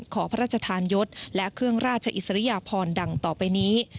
ขอพระราชทานยศและเครื่องราชอิสริยพรดังต่อไปนี้